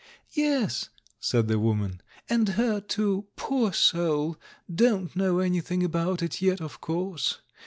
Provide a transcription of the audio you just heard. "Yes," said the woman, "and her, too, poor soul — don't know anything about it yet of course